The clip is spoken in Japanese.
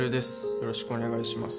よろしくお願いします